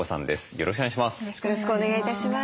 よろしくお願いします。